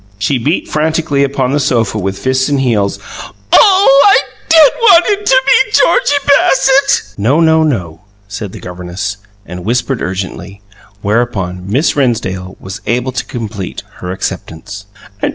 She beat frantically upon the sofa with fists and heels. "Oh, I DID want it to be Georgie Bassett!" "No, no, no!" said the governess, and whispered urgently, whereupon Miss Rennsdale was able to complete her acceptance.